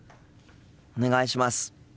お願いします。